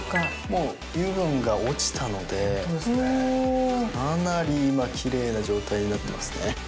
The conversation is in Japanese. もう油分が落ちたのでかなり今キレイな状態になってますね。